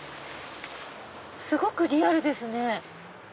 すごくリアルですね。